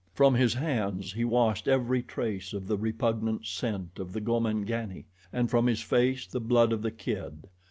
From his hands he washed every trace of the repugnant scent of the Gomangani, and from his face the blood of the kid.